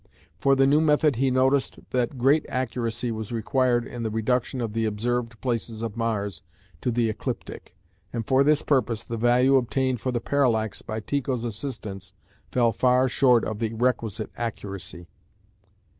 For the new method he noticed that great accuracy was required in the reduction of the observed places of Mars to the ecliptic, and for this purpose the value obtained for the parallax by Tycho's assistants fell far short of the requisite accuracy.